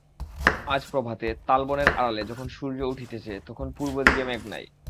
আজ প্রভাতে, তালবনের আড়ালে সূর্য যখন উঠিতেছে তখন পূর্ব দিকে মেঘ নাই।